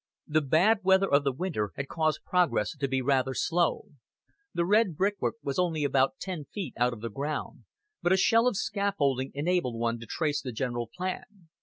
The bad weather of the winter had caused progress to be rather slow; the red brickwork was only about ten feet out of the ground, but a shell of scaffolding enabled one to trace the general plan.